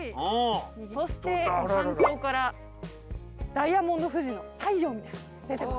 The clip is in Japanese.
そして山頂からダイヤモンド富士の太陽みたいな出てますね。